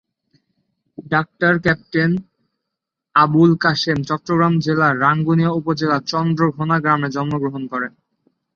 ডা ক্যাপ্টেন আবুল কাসেম চট্টগ্রাম জেলার রাঙ্গুনিয়া উপজেলার চন্দ্রঘোনা গ্রামে জন্মগ্রহণ করেন।